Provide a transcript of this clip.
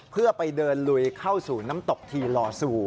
เพื่อไปเดินลุยเข้าสู่น้ำตกทีลอซู